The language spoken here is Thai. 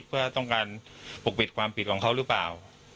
เพื่อต้องการปกปิดความผิดของเขาหรือเปล่า